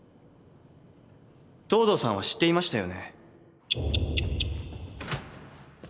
藤堂さんは知っていましたよね？